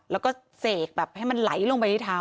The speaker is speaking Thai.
แล้วก็เสกแบบให้มันไหลลงไปที่เท้า